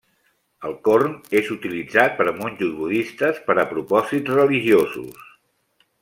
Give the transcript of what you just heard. El corn és utilitzat per monjos budistes per a propòsits religiosos.